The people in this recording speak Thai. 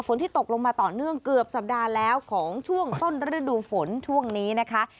ที่ตกลงมาต่อเนื่องเกือบสัปดาห์แล้วของช่วงต้นฤดูฝนช่วงนี้นะคะ